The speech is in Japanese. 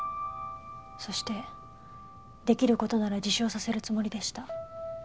そして出来る事なら自首をさせるつもりでした。